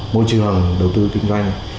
môi trường đầu tư kinh doanh